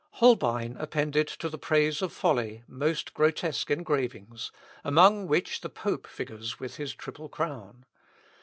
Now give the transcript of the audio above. Holbein appended to the Praise of Folly, most grotesque engravings, among which the pope figures with his triple crown.